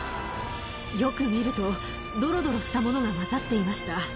よく見るとどろどろしたものが交ざっていました。